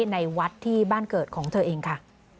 ในวัดที่บ้านเกิดของเธอเองค่ะ